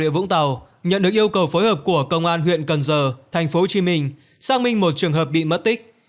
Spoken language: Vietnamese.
vũng tàu nhận được yêu cầu phối hợp của công an huyện cần giờ thành phố hồ chí minh xác minh một trường hợp bị mất tích